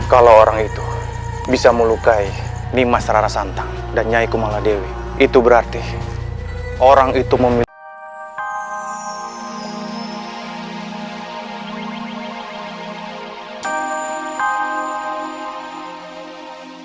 kalau orang itu bisa melukai di mas rara santang dan nyai kumala dewi itu berarti orang itu memilih